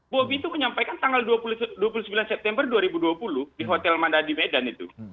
bobi itu menyampaikan tanggal dua puluh sembilan september dua ribu dua puluh di hotel manda di medan itu